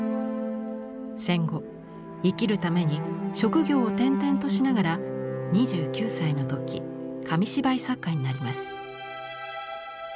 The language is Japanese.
戦後生きるために職業を転々としながら２９歳の時紙芝居作家になります。